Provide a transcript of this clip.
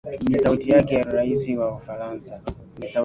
ni sauti yake rais wa ufaransa